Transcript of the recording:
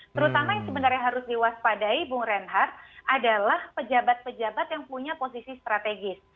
terutama yang sebenarnya harus diwaspadai bung reinhardt adalah pejabat pejabat yang punya posisi strategis